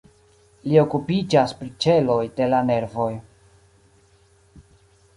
Li okupiĝas pri ĉeloj de la nervoj.